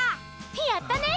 やったね！